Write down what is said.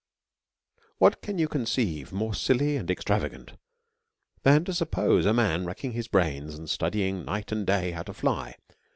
What can you conceive more silly and extravag ant, than to suppose a man racking his brains, and study ing night and day how to fly?